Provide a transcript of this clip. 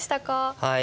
はい。